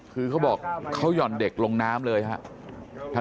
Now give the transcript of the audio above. คือเขาบอกเขาหย่อนเด็กลงน้ำเลยครับ